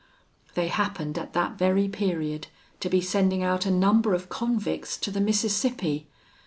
They happened, at that very period, to be sending out a number of convicts to the Mississippi.